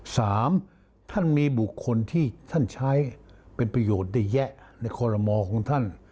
สามท่านมีบุคคลที่ท่านใช้เป็นประโยชน์ได้แยะในคอลโมของท่าน